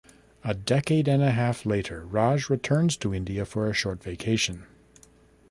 A decade and a half later, Raj returns to India for a short vacation.